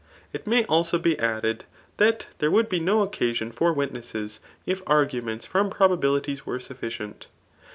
[It may also hm added,3 that there would be no occasion for witnesses, if arguments from probabilities were sufficient.